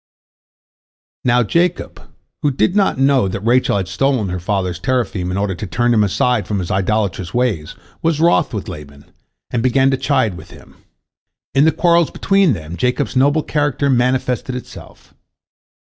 Now Jacob, who did not know that Rachel had stolen her father's teraphim in order to turn him aside from his idolatrous ways, was wroth with Laban, and began to chide with him. In the quarrel between them, Jacob's noble character manifested itself.